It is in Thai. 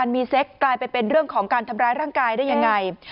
มีเซ็กกลายไปเป็นเรื่องของการทำร้ายร่างกายได้ยังไง